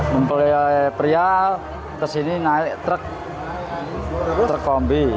mempelai pria kesini naik truk truk kombi